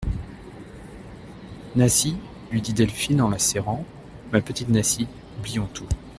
Nasie, lui dit Delphine en la serrant, ma petite Nasie, oublions tout.